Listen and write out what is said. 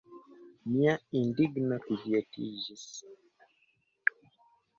Mia indigno kvietiĝis.